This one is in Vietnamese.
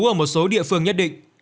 ở một số địa phương nhất định